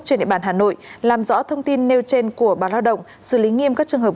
trên địa bàn hà nội làm rõ thông tin nêu trên của báo lao động xử lý nghiêm các trường hợp